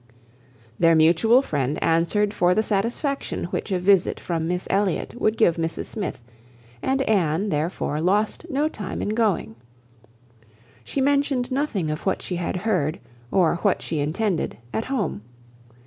Their mutual friend answered for the satisfaction which a visit from Miss Elliot would give Mrs Smith, and Anne therefore lost no time in going. She mentioned nothing of what she had heard, or what she intended, at home.